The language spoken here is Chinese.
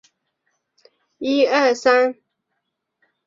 中国无线电干扰是由中国政府主导的无线电干扰。